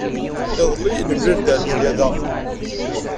Iḍelli, nemlal-d Ɛelǧiya da.